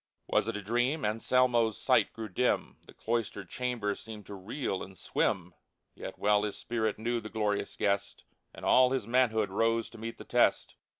Was it a dream ? Anselmo's sight grew dim ; The cloistered chamber seemed to reel and swim ; Yet well his spirit knew the glorious guest. And all his manhood rose to meet the test.